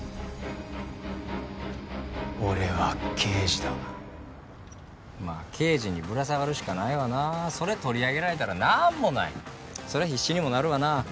俺は刑事だまあ刑事にぶら下がるしかないわなそれ取り上げられたら何もないそら必死にもなるわな